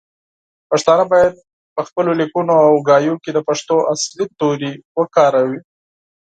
پښتانه باید پخپلو لیکنو او خبرو کې د پښتو اصلی تورې وکاروو.